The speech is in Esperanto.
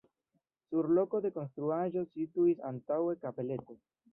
Sur loko de konstruaĵo situis antaŭe kapeleto.